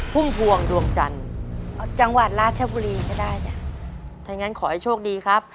อย่างนั้นขอให้โชคดีครับ